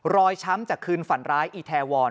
ช้ำจากคืนฝันร้ายอีแทวร